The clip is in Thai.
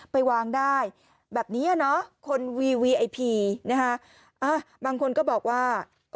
ไปวางได้แบบนี้คนวีวีไอพีนะฮะบางคนก็บอกว่า